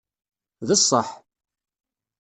D ṣṣeḥ.